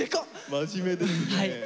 真面目ですね。